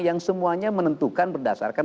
yang semuanya menentukan berdasarkan